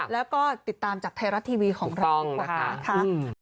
แล้วก็ติดตามจากไทยรัตน์ทีวีของเราค่ะ